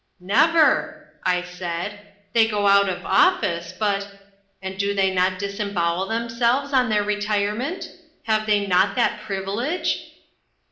"Never," I said. "They go out of office, but " "And they do not disembowel themselves on their retirement? Have they not that privilege?"